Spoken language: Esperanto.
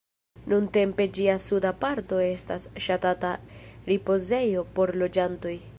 Nuntempe ĝia suda parto estas ŝatata ripozejo por loĝantoj.